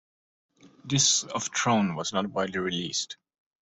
"Discs of Tron" was not widely released.